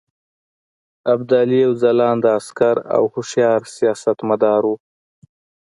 ابدالي یو ځلانده عسکر او هوښیار سیاستمدار وو.